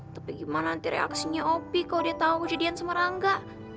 tapi gimana nanti reaksinya op kalau dia tau kejadian sama rangga